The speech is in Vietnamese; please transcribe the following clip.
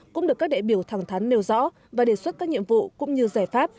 cũng được các đại biểu thẳng thắn nêu rõ và đề xuất các nhiệm vụ cũng như giải pháp